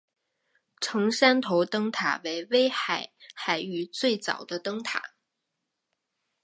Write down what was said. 成山头灯塔为威海海域最早的灯塔。